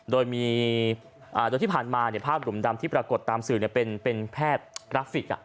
โดยมีอ่าโดยที่ผ่านมาเนี่ยภาพหลุมดำที่ปรากฏตามสื่อเนี่ยเป็นเป็นแพทย์กราฟิกอ่ะ